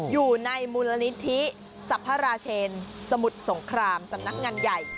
อยู่ในมูลนิธิสรรพราเชนสมุทรสงครามสำนักงานใหญ่